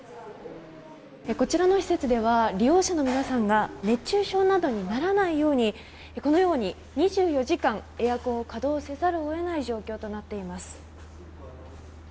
こちらの施設では利用者の皆さんが熱中症などにならないようにこのように２４時間エアコンを稼働せざるを得ない状況となっています。